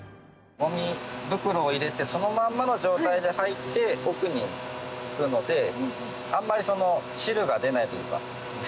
ごみ袋を入れてそのまんまの状態で入って奥に行くのであんまり汁が出ないというか。